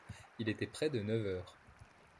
Il était près de neuf heures.